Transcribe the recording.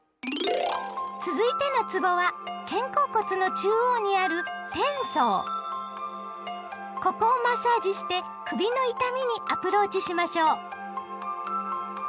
続いてのつぼは肩甲骨の中央にあるここをマッサージして首の痛みにアプローチしましょう。